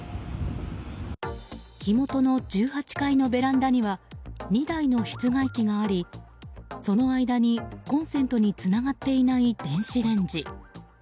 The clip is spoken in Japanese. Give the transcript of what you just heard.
火元の１８階のベランダには２台の室外機がありその間にコンセントにつながっていない電子レンジ。